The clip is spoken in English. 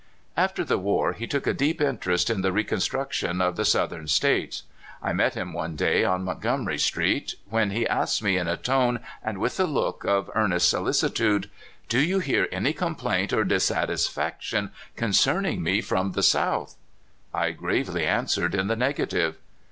After the war, he took a deep interest in the reconstruction of the Southern States. I met him one day on Montgomery Street, when he asked me in a tone and with a look of earnest solicitude: "Do you hear any complaint or dissatisfaction concerninof me from the South? " I gravely answered in the negative.